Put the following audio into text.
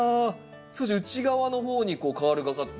少し内側の方にこうカールがかって。